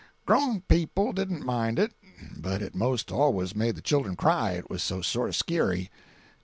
"Grown people didn't mind it, but it most always made the children cry, it was so sort of scary.